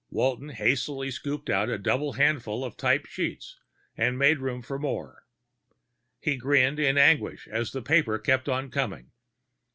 Walton hastily scooped out a double handful of typed sheets to make room for more. He grinned in anguish as the paper kept on coming.